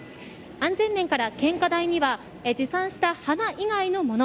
安全面から、献花台には持参した花以外のもの。